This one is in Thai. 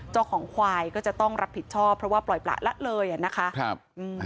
เจ้าของควายก็จะต้องรับผิดชอบเพราะว่าปล่อยประละเลยอ่ะนะคะครับอืม